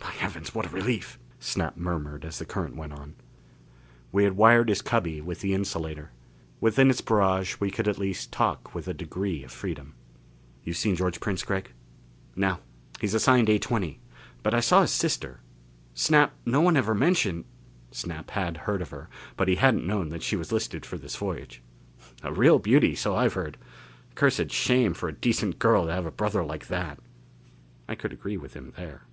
"By heavens, what a relief!" Snap murmured as the current went on. We had wired his cubby with the insulator; within its barrage we could at least talk with a degree of freedom. "You've seen George Prince, Gregg?" "No. He's assigned A20. But I saw his sister. Snap, no one ever mentioned " Snap had heard of her, but he hadn't known that she was listed for this voyage. "A real beauty, so I've heard. Accursed shame for a decent girl to have a brother like that." I could agree with him there....